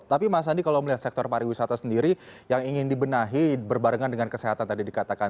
tapi mas andi kalau melihat sektor pariwisata sendiri yang ingin dibenahi berbarengan dengan kesehatan tadi dikatakan